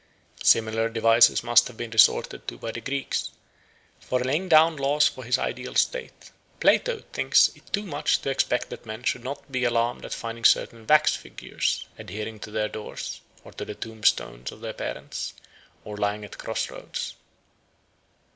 Similar devices must have been resorted to by the Greeks; for in laying down laws for his ideal state, Plato thinks it too much to expect that men should not be alarmed at finding certain wax figures adhering to their doors or to the tombstones of their parents, or lying at cross roads.